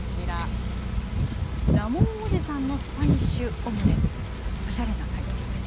ラモンおじさんのスパニッシュ・オムレツおしゃれなタイトルです。